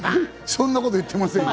そんなこと言ってませんよ！